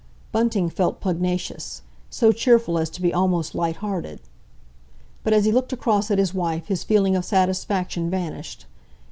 Bunting felt pugnacious—so cheerful as to be almost light hearted. But as he looked across at his wife his feeling of satisfaction vanished.